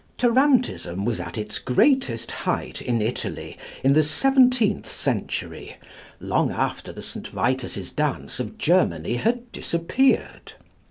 Tarantism was at its greatest height in Italy in the seventeenth century, long after the St. Vitus's Dance of Germany had disappeared.